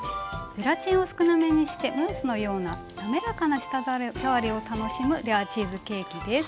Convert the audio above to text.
ゼラチンを少なめにしてムースのような滑らかな舌触りを楽しむレアチーズケーキです。